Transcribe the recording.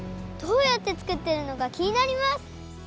どうやって作っているのかきになります！